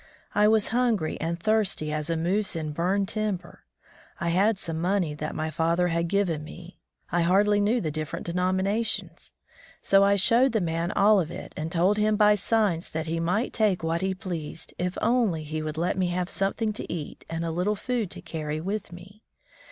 I was hungry and thirsty as a moose in burned timber. I had some money that my father had given me — I hardly knew the different denominations; so I showed the man all of it, and told him by signs that he might take what he pleased if only he would let me have something to eat, and a little food to carry with me.